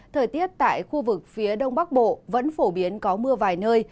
thời tiết tại khu vực phía đông bắc bộ vẫn phổ biến có mưa vài nơi